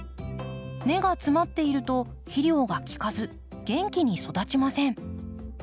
根が詰まっていると肥料が効かず元気に育ちません。